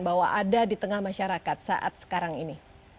bahwa ada di tengah masyarakat saat sekarang ini